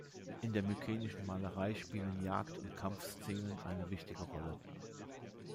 In der mykenischen Malerei spielen Jagd- und Kampfszenen eine wichtige Rolle.